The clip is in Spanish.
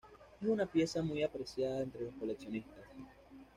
Es una pieza muy apreciada entre coleccionistas.